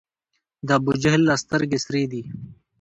د ابوجهل لا سترګي سرې دي